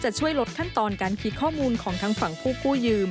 ช่วยลดขั้นตอนการคิดข้อมูลของทางฝั่งผู้กู้ยืม